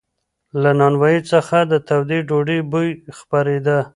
له نانوایۍ څخه د تودې ډوډۍ بوی خپرېده.